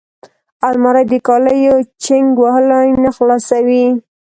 الماري د کالي چینګ وهلو نه خلاصوي